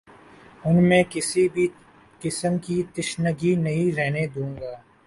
ان میں کسی بھی قسم کی تشنگی نہیں رہنے دوں گا